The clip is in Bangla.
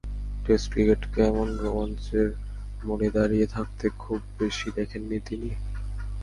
টেস্ট ক্রিকেটকে এমন রোমাঞ্চের মোড়ে দাঁড়িয়ে থাকতে খুব বেশি দেখেননি তিনি।